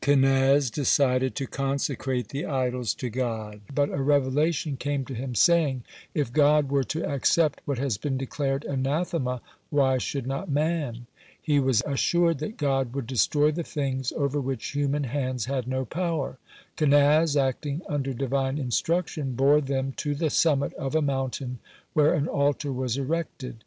Kenaz decided to consecrate the idols to God, but a revelation came to him, saying: "If God were to accept what has been declared anathema, why should not man?" He was assured that God would destroy the things over which human hands had no power. Kenaz, acting under Divine instruction, bore them to the summit of a mountain, where an altar was erected.